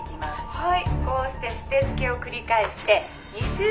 「はい！」